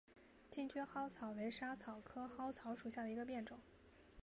近蕨嵩草为莎草科嵩草属下的一个变种。